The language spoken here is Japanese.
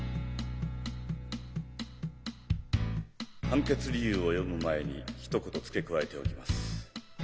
判決理由を読む前にひと言付け加えておきます。